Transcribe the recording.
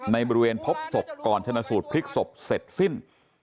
ในบริเวณพบศพก่อนชนะสูตรพลิกศพเสร็จสิ้น